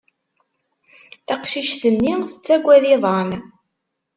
Taqcict-nni tettagad iḍan.